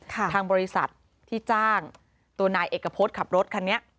ทางบริษัทที่จ้างตัวนายเอกพจน์ขับรถคันนี้